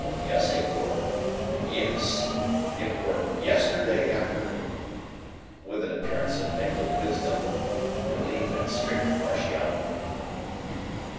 Yes it were. Yes. It were yesterday afternoon" (with an appearance of mingled wisdom, relief, and strict impartiality).